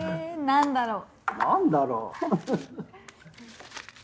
何だろう？